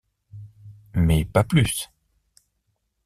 Mais pas plus.